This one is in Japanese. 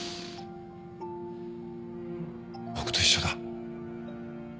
僕と一緒だ。